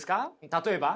例えば？